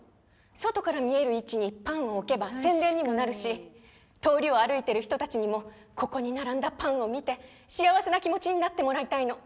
外から見える位置にパンを置けば宣伝にもなるし通りを歩いてる人たちにもここに並んだパンを見て幸せな気持ちになってもらいたいの。